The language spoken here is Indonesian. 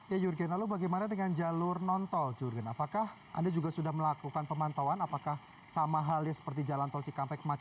ya jurgen lalu bagaimana dengan jalur non tol jurgen apakah anda juga sudah melakukan pemantauan apakah sama halnya seperti jalan tol cikampek